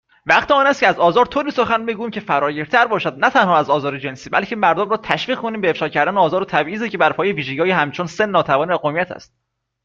وقت آنست که از آزار طوری سخن بگوییم که فراگیرتر باشد نه تنها از آزار جنسی، بلکه مردم را تشویق کنیم به افشا کردن آزار و تبعیضی که بر پایه ویژگیهایی همچون سن، ناتوانی، و قومیت است